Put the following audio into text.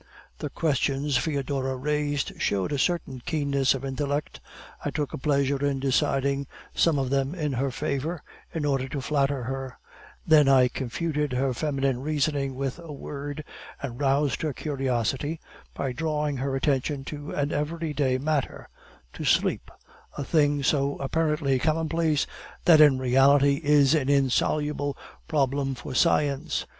The questions Foedora raised showed a certain keenness of intellect. I took a pleasure in deciding some of them in her favor, in order to flatter her; then I confuted her feminine reasoning with a word, and roused her curiosity by drawing her attention to an everyday matter to sleep, a thing so apparently commonplace, that in reality is an insoluble problem for science.